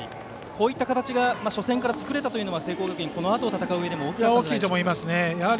こういった形が初戦から作れたというのは聖光学院、このあと戦ううえでも大きいのではないでしょうか。